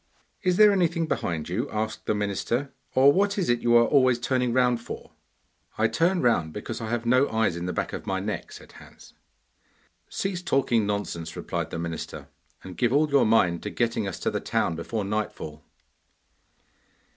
'Is there anything behind you?' asked the minister. 'Or what is it you are always turning round for?' 'I turn round because I have no eyes in the back of my neck,' said Hans. 'Cease talking nonsense,' replied the minister, 'and give all your mind to getting us to the town before nightfall.